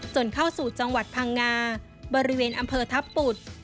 เข้าสู่จังหวัดพังงาบริเวณอำเภอทัพปุด